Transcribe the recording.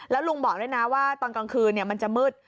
แล้วลุงบอกด้วยนะว่าตอนกลางคืนมันจะมืด